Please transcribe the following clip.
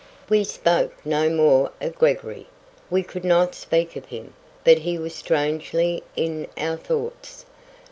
We spoke no more of Gregory. We could not speak of him; but he was strangely in our thoughts.